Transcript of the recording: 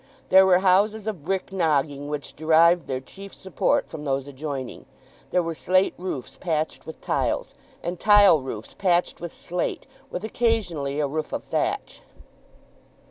There were houses of brick nogging, which derived their chief support from those adjoining. There were slate roofs patched with tiles, and tile roofs patched with slate, with occasionally a roof of thatch.